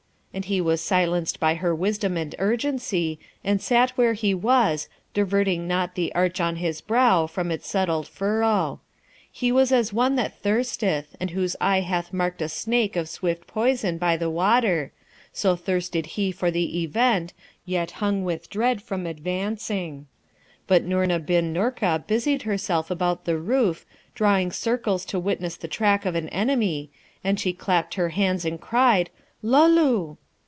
and he was silenced by her wisdom and urgency, and sat where he was, diverting not the arch on his brow from its settled furrow. He was as one that thirsteth, and whose eye hath marked a snake of swift poison by the water, so thirsted he for the Event, yet hung with dread from advancing; but Noorna bin Noorka busied herself about the roof, drawing circles to witness the track of an enemy, and she clapped her hands and cried, 'Luloo!'